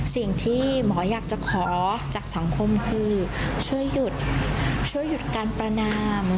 สิ่งที่หมออยากจะขอจากสังคมคือช่วยหยุดช่วยหยุดการประนาม